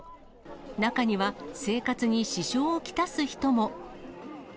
中には、生活に支障を来す人も。